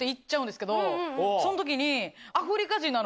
その時に。